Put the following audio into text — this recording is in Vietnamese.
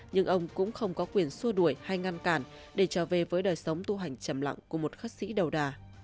nhưng ông cũng không có quyền xua đuổi hay ngăn cản để trở về với đời sống tu hành chầm lặng của một khất sĩ đầu đà